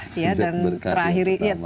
sejak berkarir pertama